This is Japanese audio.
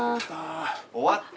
終わった。